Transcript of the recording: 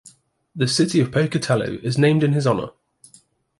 The city of Pocatello is named in his honor.